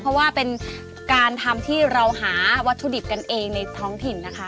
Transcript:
เพราะว่าเป็นการทำที่เราหาวัตถุดิบกันเองในท้องถิ่นนะคะ